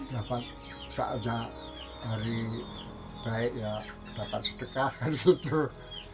dapat saatnya hari baik ya dapat sedekah kan itu tuh